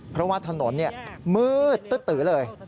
เพราะว่าถนนมืดตื้อเลย